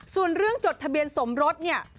ส่วนเรื่องจดทะเบียนสมรสเนี่ย